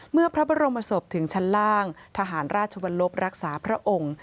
เมื่อพระบรมศพถึงชั้นล่างทหารราชวรรลบรักษาพระองค์